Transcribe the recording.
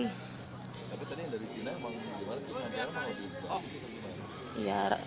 tapi tadi dari china emang juara dunia atau dari jerman